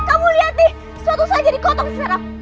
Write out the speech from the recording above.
kamu lihat nih suatu saat jadi kotong serap